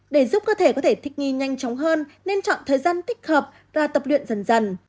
để giúp cơ thể có thể thích nghi nhanh chóng hơn nên chọn thời gian tích hợp và tập luyện dần dần